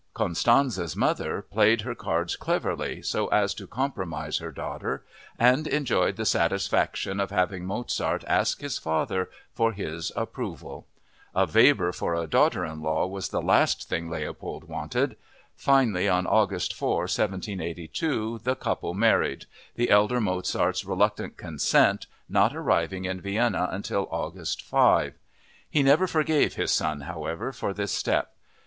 Constanze's mother played her cards cleverly so as to compromise her daughter and enjoyed the satisfaction of having Mozart ask his father for his "approval." A Weber for a daughter in law was the last thing Leopold wanted. Finally on August 4, 1782, the couple married, the elder Mozart's reluctant consent not arriving in Vienna until August 5. He never forgave his son, however, for this step.